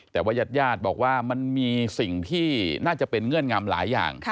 แต่ว่ายาดบอกว่ามันมีสิ่งที่น่าจะเป็นเงื่อนงำหลายอย่าง